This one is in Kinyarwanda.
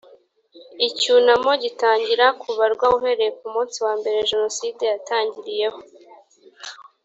icyunamo gitangira kubarwa uhereye ku munsi wambere genocide yatangiriyeho.